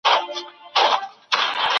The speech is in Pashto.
درواغ هيڅ وخت هم نه پټېږي.